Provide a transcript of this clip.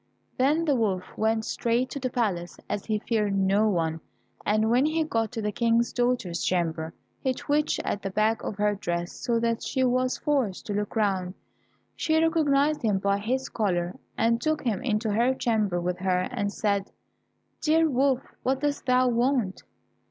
Then the wolf went straight to the palace, as he feared no one, and when he got to the King's daughter's chamber, he twitched at the back of her dress, so that she was forced to look round. She recognized him by his collar, and took him into her chamber with her, and said, "Dear Wolf, what dost thou want?"